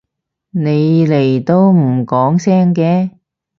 你嚟都唔講聲嘅？